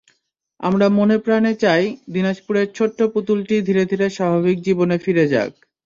আমরা মনেপ্রাণে চাই, দিনাজপুরের ছোট্ট পুতুলটি ধীরে ধীরে স্বাভাবিক জীবনে ফিরে যাক।